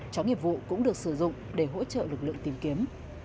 chó nghiệp vụ cũng được sử dụng để hỗ trợ lực lượng tìm kiếm